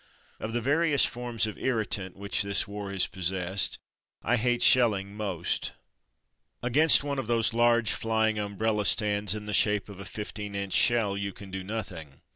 Of the various forms of irritant Thoughts on Shelling 173 which this war has possessed, I hate sheUing most. Against one of those large, flying umbrella stands, in the shape of a fifteen inch shell, you can do nothing.